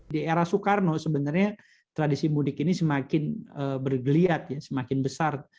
di era soekarno sebenarnya tradisi mudik ini semakin bergeliat ya semakin besar